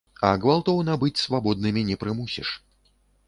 А гвалтоўна быць свабоднымі не прымусіш.